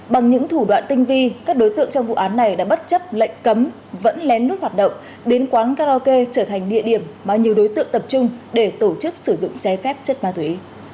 bằng những thủ đoạn tinh vi các đối tượng trong vụ án này đã bất chấp lệnh cấm vẫn lén lút hoạt động biến quán karaoke trở thành địa điểm mà nhiều đối tượng tập trung để tổ chức sử dụng trái phép chất ma túy